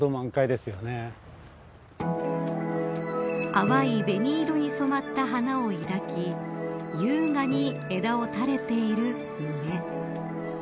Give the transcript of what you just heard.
淡い紅色に染まった花を抱き優雅に枝を垂れている梅。